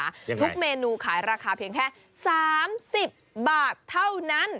ทุกเมนูขายราคาเพียงแค่๓๐บาทเท่านั้น